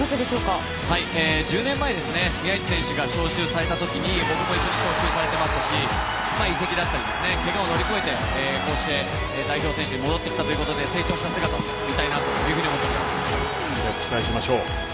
１０年前、宮市選手が招集されたときに僕も一緒に招集されていましたし移籍だったりけがを乗り越えて、こうして代表選手に戻ってきたということで期待しましょう。